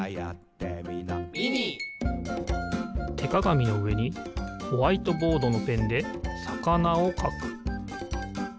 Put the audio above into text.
てかがみのうえにホワイトボードのペンでさかなをかく。